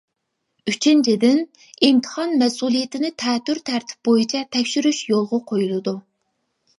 ئۈچىنچىدىن، ئىمتىھان مەسئۇلىيىتىنى تەتۈر تەرتىپ بويىچە تەكشۈرۈش يولغا قويۇلىدۇ.